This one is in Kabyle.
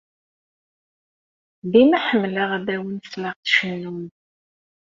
Dima ḥemmleɣ ad awen-sleɣ tcennum.